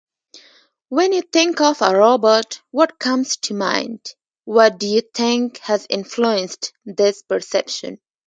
When you think of a robot what comes to mind? What do you think has influenced this perception?